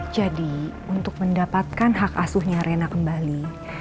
jadi untuk mendapatkan hak asuhnya reina kembali